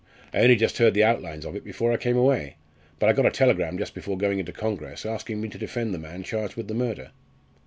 I only just heard the outlines of it before I came away, but I got a telegram just before going into congress, asking me to defend the man charged with the murder."